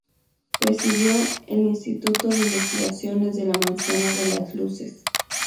Presidió el Instituto de Investigaciones de la Manzana de las Luces.